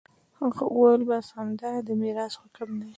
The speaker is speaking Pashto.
هغه وويل بس همدا د ميراث حکم دى.